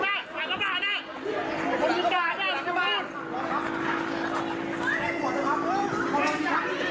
โอพี่โดนเราโดนมาลงกามหน่อย